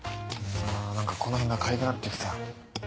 あ何かこの辺がかゆくなって来た。